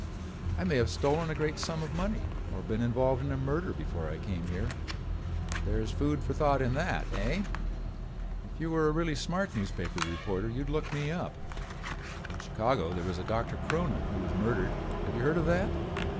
I may have stolen a great sum of money or been involved in a murder before I came here. There is food for thought in that, eh? If you were a really smart newspaper reporter you would look me up. In Chicago there was a Doctor Cronin who was murdered. Have you heard of that?